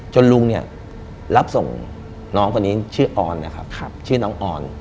ลุงเนี่ยรับส่งน้องคนนี้ชื่อออนนะครับชื่อน้องออน